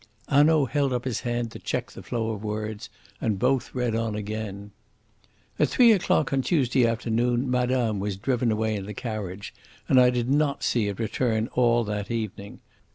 Hanaud held up his hand to check the flow of words, and both read on again: "At three o'clock on Tuesday afternoon madame was driven away in the carriage, and I did not see it return all that evening.